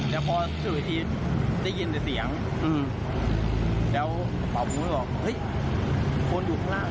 แต่พอสู่ทีได้ยินแต่เสียงอืมแล้วปากผมก็บอกเฮ้ยคนอยู่ข้างล่าง